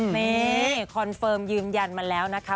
นี่คอนเฟิร์มยืนยันมาแล้วนะคะ